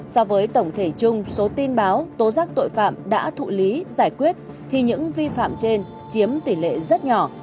so với tổng thể chung số tin báo tố giác tội phạm đã thụ lý giải quyết thì những vi phạm trên chiếm tỷ lệ rất nhỏ